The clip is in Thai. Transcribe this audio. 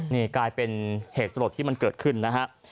นี่กลายเป็นเหตุสลดที่มันเกิดขึ้นนะฮะ